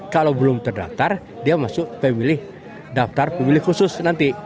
kalau belum terdaftar dia masuk pemilih daftar pemilih khusus nanti